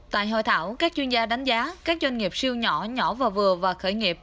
tại hội thảo các chuyên gia đánh giá các doanh nghiệp siêu nhỏ nhỏ và vừa và khởi nghiệp